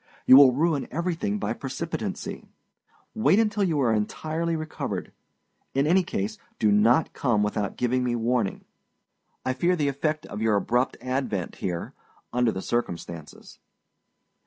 You will ruin everything by precipitancy. Wait until you are entirely recovered; in any case, do not come without giving me warning. I fear the effect of your abrupt advent here under the circumstances.